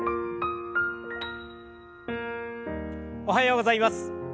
おはようございます。